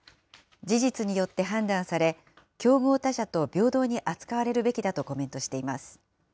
事実によって判断され、競合他社と平等に扱われるべきだとコメントしています。